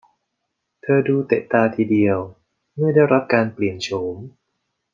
เธอดูเตะตาทีเดียวเมื่อได้รับการเปลี่ยนโฉม